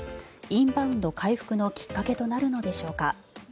インバウンド回復のきっかけとなるのでしょうか。